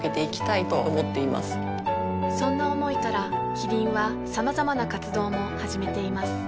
そんな思いからキリンはさまざまな活動も始めています